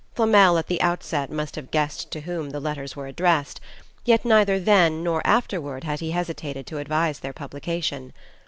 Flamel, at the outset, must have guessed to whom the letters were addressed; yet neither then nor afterward had he hesitated to advise their publication.